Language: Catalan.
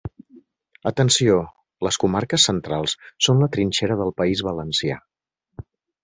Atenció: les comarques centrals són la trinxera del País Valencià.